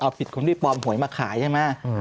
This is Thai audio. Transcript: เอาผิดคนที่ปลอมหวยมาขายใช่ไหม